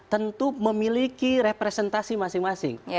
tentu memiliki representasi masing masing